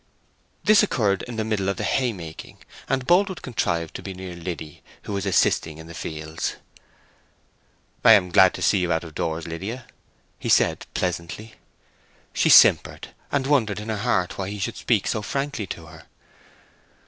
This occurred in the middle of the haymaking, and Boldwood contrived to be near Liddy, who was assisting in the fields. "I am glad to see you out of doors, Lydia," he said pleasantly. She simpered, and wondered in her heart why he should speak so frankly to her.